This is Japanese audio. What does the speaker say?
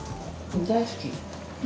大好き。